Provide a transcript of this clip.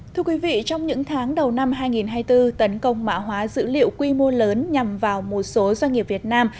thưa quý vị trong những tháng đầu năm hai nghìn hai mươi bốn tấn công mạng hóa dữ liệu quy mô lớn nhằm vào một số doanh nghiệp việt nam